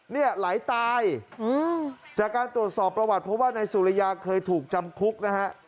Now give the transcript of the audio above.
เนี่ยไหลตายจากการตรวจสอบประวัติเพราะว่านายสุริยาเคยถูกจำคุกนะฮะ